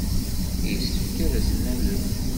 Yessefk ad as-nales.